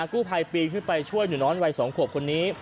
กู้ภัยปีนขึ้นไปช่วยหนูน้อยวัย๒ขวบคนนี้